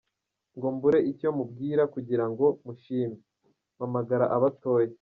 Ngo mbure icyo mubwira Kugira ngo mushime, Mpamagara abatoya.